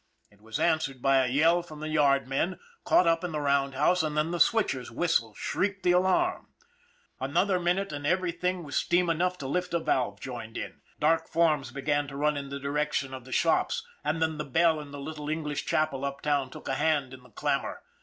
It was answered by a yell from the yardmen, caught up in the roundhouse, and then the switcher's whistle shrieked the alarm. A minute more, and everything with steam 200 ON THE IRON AT BIG CLOUD enough to lift a valve joined in. Dark forms began to run in the direction of the shops, and then the bell in the little English chapel uptown took a hand in the clamor.